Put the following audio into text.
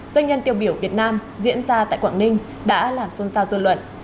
doanh nhân tiêu biểu việt nam diễn ra tại quảng ninh đã làm xôn xao dư luận